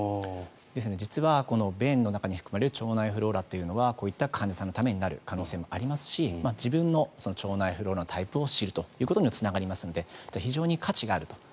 実は、便の中に含まれる腸内フローラというのはこういった患者さんのためになる可能性もありますし自分の腸内フローラのタイプを知るということにもつながりますので非常に価値があると。